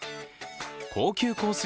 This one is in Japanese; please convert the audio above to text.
高級コース